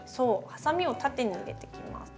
ハサミを縦に入れていきます。